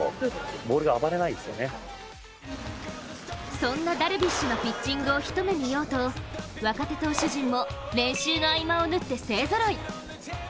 そんなダルビッシュのピッチングを一目見ようと若手投手陣も練習の合間を縫って勢ぞろい。